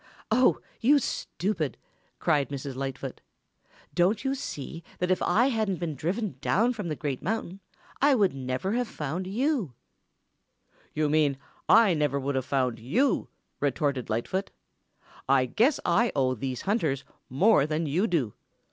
"Oh, you stupid," cried Mrs. Lightfoot. "Don't you see that if I hadn't been driven down from the Great Mountain, I never would have found you?" "You mean, I never would have found you," retorted Lightfoot. "I guess I owe these hunters more than you do.